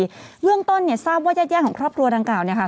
ทันทีเรื่องต้นเนี่ยทราบว่าแยกแยกของครอบครัวดังกล่าวเนี่ยค่ะ